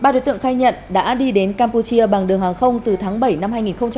ba đối tượng khai nhận đã đi đến campuchia bằng đường hàng không từ tháng bảy năm hai nghìn một mươi chín